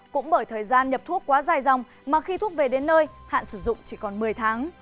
cũng bởi thời gian nhập thuốc quá dài dòng mà khi thuốc về đến nơi hạn sử dụng chỉ còn một mươi tháng